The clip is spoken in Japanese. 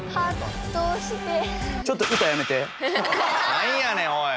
なんやねんおい！